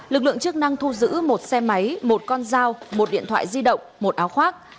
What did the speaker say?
lực lượng chức năng thu giữ một xe máy một con dao một điện thoại di động một áo khoác